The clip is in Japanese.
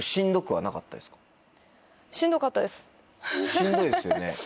しんどいですよね。